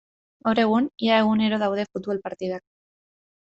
Gaur egun ia egunero daude futbol partidak.